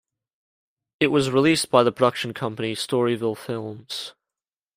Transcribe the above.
It was released by the production company, Storyville Films.